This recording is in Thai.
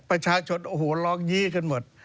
ประชาชนโอ้โหร้องยี้กันหมด